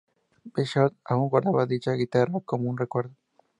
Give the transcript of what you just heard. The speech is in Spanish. Bishop aún guarda dicha guitarra como un recuerdo.